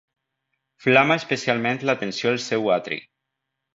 Flama especialment l'atenció el seu atri.